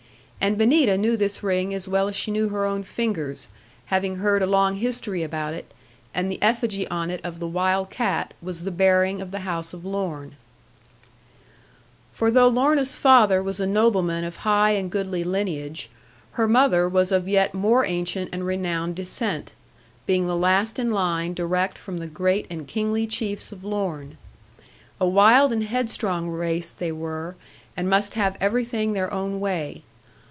And Benita knew this ring as well as she knew her own fingers, having heard a long history about it; and the effigy on it of the wild cat was the bearing of the house of Lorne. For though Lorna's father was a nobleman of high and goodly lineage, her mother was of yet more ancient and renowned descent, being the last in line direct from the great and kingly chiefs of Lorne. A wild and headstrong race they were, and must have everything their own way.